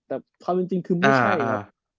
แต่ความเป็นจริงคือไม่ใช่ครับ